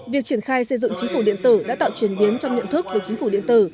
việc triển khai xây dựng chính phủ điện tử đã tạo truyền biến trong nhận thức về chính phủ điện tử